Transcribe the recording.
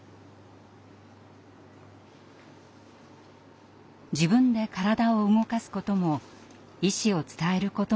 自分で体を動かすことも意思を伝えることもできません。